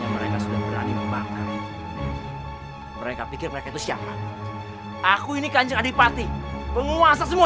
mereka sudah berani membakar mereka pikir mereka itu siapa aku ini kanjeng adipati penguasa semua